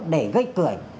để gây cười